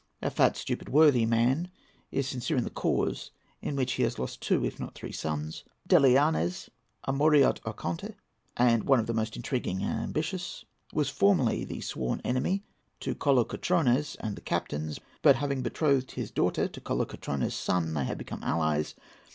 A fat, stupid, worthy man; is sincere in the cause, in which he has lost two if not three sons. DELIYANNES.—A Moreot Archonte, and one of the most intriguing and ambitious; was formerly sworn enemy to Kolokotrones and the captains, but, having betrothed his daughter to Kolokotrones's son, they have become allies.